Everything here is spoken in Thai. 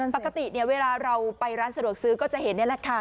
ปกติเนี่ยเวลาเราไปร้านสะดวกซื้อก็จะเห็นนี่แหละค่ะ